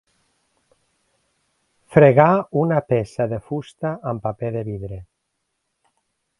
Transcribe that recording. Fregar una peça de fusta amb paper de vidre.